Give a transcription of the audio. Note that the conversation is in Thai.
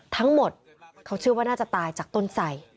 ทั้งหมดเขาเชื่อว่าน่าจะตายจากต้นไส